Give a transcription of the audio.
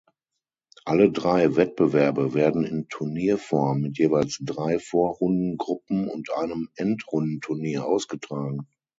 Alle drei Wettbewerbe werden in Turnierform mit jeweils drei Vorrundengruppen und einem Endrundenturnier ausgetragen.